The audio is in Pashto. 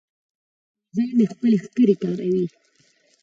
وزه مې خپلې ښکرې کاروي.